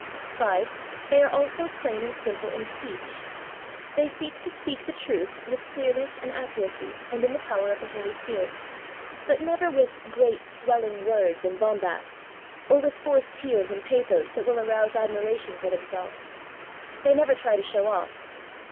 5. They are also plain and simple in speech. They seek to speak the truth with clearness and accuracy and in the power of the Holy Spirit, but never with 'great swelling words ' and bombast, or with forced tears and pathos that will arouse admiration for themselves. They never try to show off.